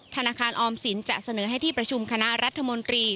ธนาคารออมสินจะเสนอให้ที่ประชุมคณะรัฐมนตรี